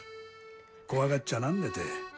怖がっちゃなんねて。